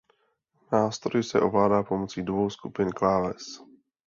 Nástroj se ovládá pomocí dvou skupin kláves.